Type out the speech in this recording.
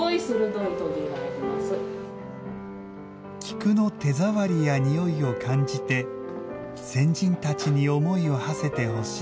菊の手触りや匂いを感じて先人たちに思いをはせてほしい。